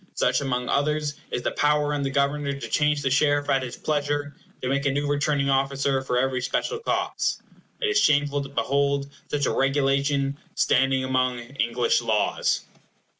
Such, among others, is the power in the Governor to change the sheriff at his pleasure, and to make a new returning officer for every special cause. It is shameful to behold such a regulation standing among English laws.